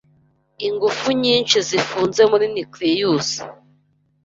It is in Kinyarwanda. Ingufu nyinshi zifunze muri nucleus.